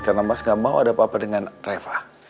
karena mas gak mau ada apa apa dengan reva